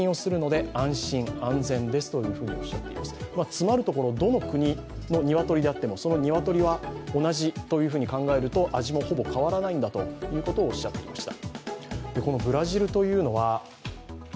詰まるところ、どの国の鶏であっても、その鶏は同じというふうに考えると味もほぼ変わらないんだということをおっしゃっていました。